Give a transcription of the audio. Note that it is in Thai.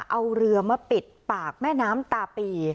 เอาเรือมาปิดปากแม่น้ำตาปี